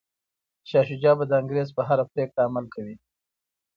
شاه شجاع به د انګریز په هره پریکړه عمل کوي.